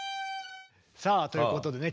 さあということでね